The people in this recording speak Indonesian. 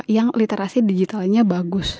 yang literasi digitalnya bagus